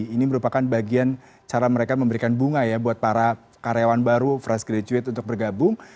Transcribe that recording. ini merupakan bagian cara mereka memberikan bunga ya buat para karyawan baru fresh graduate untuk bergabung